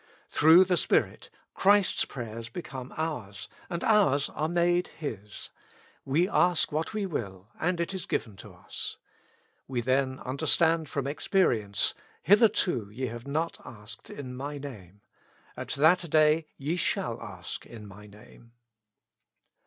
Through the Spirit, Christ's prayers become ours, and ours are made His : we ask what we will, and it is given to us. We then under stand from experience, " Hitherto ye have not asked in my Name. At that day ye shall ask in my Name."